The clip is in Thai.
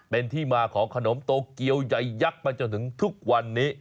เป็นที่มาของขนมโตเกียวใหญ่ยักษ์มาจนถึงทุกวันนี้